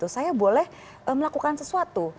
saya boleh melakukan sesuatu